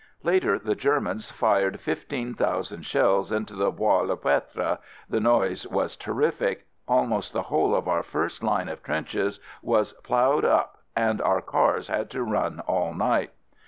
Later the Germans fired fifteen thousand shells into the Bois le Pretre; the noise was terrific — almost the whole of our first line of trenches was plowed up and our cars had to run all night.